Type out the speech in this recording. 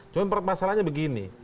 cuma masalahnya begini